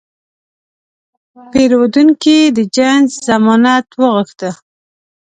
پیرودونکی د جنس ضمانت وغوښته.